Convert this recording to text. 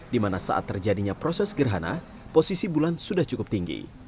di mana saat terjadinya proses gerhana posisi bulan sudah cukup tinggi